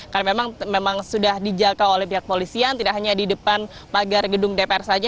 karena memang sudah dijaga oleh pihak polisian tidak hanya di depan pagar gedung dpr saja